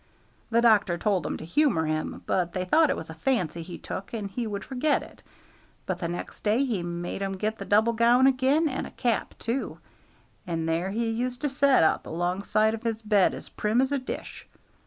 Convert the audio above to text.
The doctor told 'em to humor him, but they thought it was a fancy he took, and he would forget it; but the next day he made 'em get the double gown again, and a cap too, and there he used to set up alongside of his bed as prim as a dish.